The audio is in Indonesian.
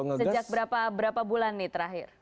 sejak berapa bulan nih terakhir